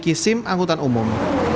dikisim angkutan umum